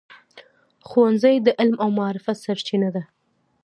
ښوونځی د علم او معرفت سرچینه ده.